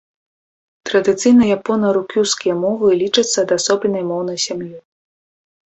Традыцыйна япона-рукюскія мовы лічацца адасобленай моўнай сям'ёй.